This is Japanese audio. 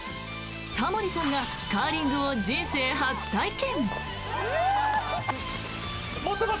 タモリさんがカーリングを人生初体験！